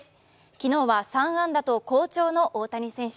昨日は３安打と好調の大谷選手。